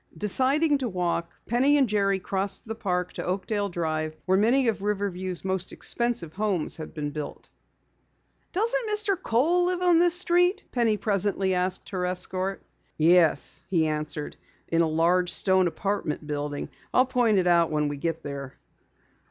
Deciding to walk, Penny and Jerry crossed the park to Oakdale Drive where many of Riverview's most expensive homes had been built. "Doesn't Mr. Kohl live on this street?" Penny presently asked her escort. "Yes," he answered, "in a large stone apartment building. I'll point it out when we get there."